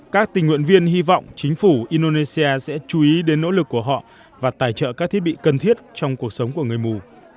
các tình nguyện viên hy vọng chính phủ indonesia sẽ chú ý đến nỗ lực của họ và tài trợ các thiết bị cần thiết trong cuộc sống của người mù